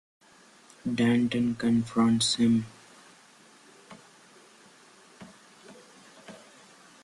Danton confronts him.